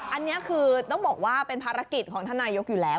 อันนี้คือต้องบอกว่าเป็นภารกิจของท่านนายกอยู่แล้ว